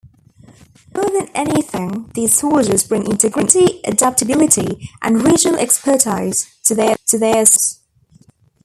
More than anything, these soldiers bring integrity, adaptability and regional expertise to their assignments.